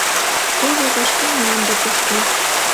Теве вашке мланде кошка.